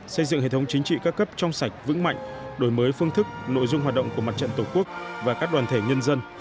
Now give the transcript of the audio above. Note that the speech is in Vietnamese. xây dựng hệ thống chính trị các cấp trong sạch vững mạnh đổi mới phương thức nội dung hoạt động của mặt trận tổ quốc và các đoàn thể nhân dân